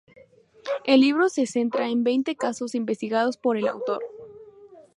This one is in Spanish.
El libro se centra en veinte casos investigados por el autor.